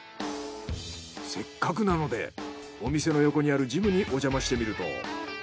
せっかくなのでお店の横にあるジムにおじゃましてみると。